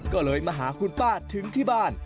ก็เลยมาหาคุณป้าถึงที่บ้าน